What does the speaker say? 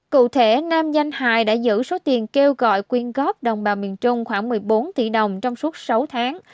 cụ thể nam nhanh hài đã giữ số tiền kêu gọi quyên góp đồng bào miền trung khoảng một mươi bốn tỷ đồng trong suốt sáu tháng